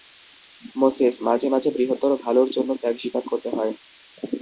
Moses, মাঝে মাঝে, বৃহত্তর ভালোর জন্যে, ত্যাগ স্বীকার করতে হয়।